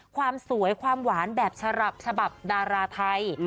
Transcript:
ความสวยความหวานแบบฉบับดาราไทย